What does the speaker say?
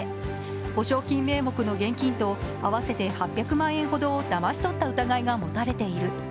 保証金名目の現金など合わせて８００万円ほどをだまし取った疑いが持たれている。